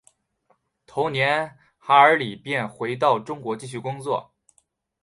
同年韩尔礼便回到中国继续工作。